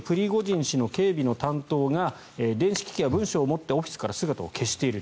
すでにプリゴジン氏の警備の担当が電子機器や文書を持ってオフィスから姿を消している。